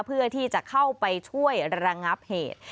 เพื่อที่จะเข้าไปช่วยระงับเหตุ